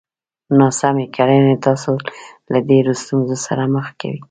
ناسمې کړنې تاسو له ډېرو ستونزو سره مخ کوي!